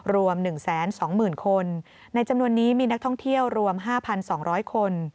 รวม๑๒๐๐๐คนในจำนวนนี้มีนักท่องเที่ยวรวม๕๒๐๐คน